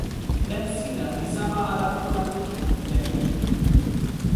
len sina li sama ala pona lukin pi len mi.